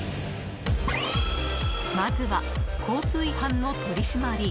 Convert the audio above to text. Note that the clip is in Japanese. まずは、交通違反の取り締まり。